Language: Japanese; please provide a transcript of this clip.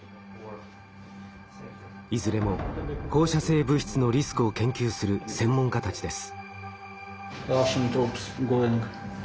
いずれも放射性物質のリスクを研究する専門家たちです。